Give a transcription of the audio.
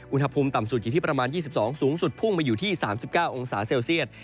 อุณหภูมิต่ำสุดอยู่ที่ประมาณ๒๒สูงสุดพุ่งมาอยู่ที่๓๙องศาเซลเซียต